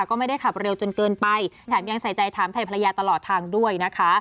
ก็ไม่ได้ขับเร็วจนเกินไปแถมยังใส่ใจถามไทยภรรยาตลอดทางด้วยนะคะ